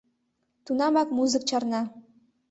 Тунамак музык чарна.